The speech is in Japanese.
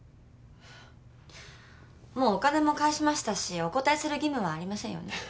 もうお金も返しましたしお答えする義務はありませんよね。